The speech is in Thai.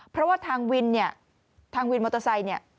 เพราะว่าทางวินเนี่ยทางวินมอเตอร์ไซค์เนี่ย